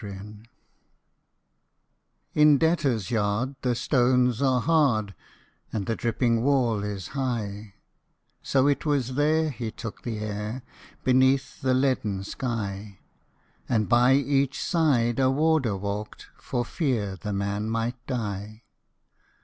III IN Debtorsâ Yard the stones are hard, And the dripping wall is high, So it was there he took the air Beneath the leaden sky, And by each side a Warder walked, For fear the man might die.